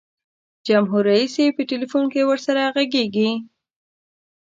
جمهور رئیس یې په ټلفون کې ورسره ږغیږي.